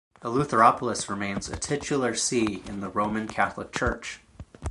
Eleutheropolis remains a titular see in the Roman Catholic Church.